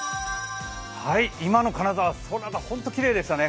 今の金沢の空、ホントにきれいでしたね。